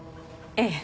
ええ。